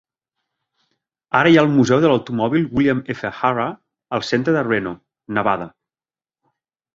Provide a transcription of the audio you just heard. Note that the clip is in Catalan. Ara hi ha el Museu de l'automòbil William F. Harrah al centre de Reno, Nevada.